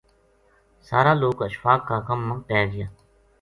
سارا لوک اشفاق کا غم ما پے گیا